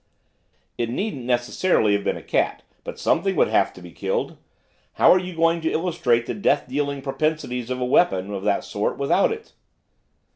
'It needn't necessarily have been a cat, but something would have had to be killed, how are you going to illustrate the death dealing propensities of a weapon of that sort without it?